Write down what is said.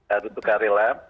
harus voluntary ya